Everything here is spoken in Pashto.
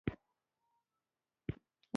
بېنډۍ د پخلي مهارت ته اړتیا لري